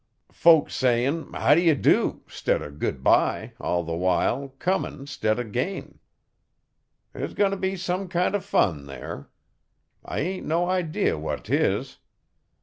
Folks sayin' "How d'y do" 'stid o' "goodbye", all the while comin' 'stid o' gain'. There's goin' t' be some kind o' fun there. I ain' no idee what 'tis.